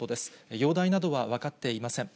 容体などは分かっていません。